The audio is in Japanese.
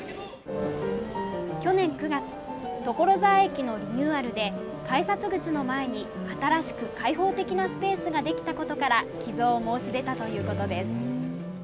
去年９月、所沢駅のリニューアルで改札口の前に新しく開放的なスペースができたことから寄贈を申し出たということです。